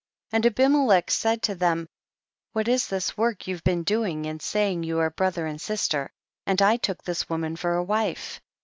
24. And Abimelech said to them, w^hat is this work you have been do ing in saying you arc brother and sister, and 1 look this woman for a wife